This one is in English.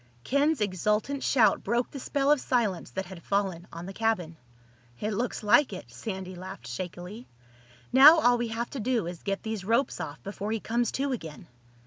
Ken's exultant shout broke the spell of silence that had fallen on the cabin. "It looks like it." Sandy laughed shakily. "Now all we have to do is get these ropes off before he comes to again."